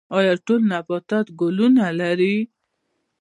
ایا ټول نباتات ګلونه لري؟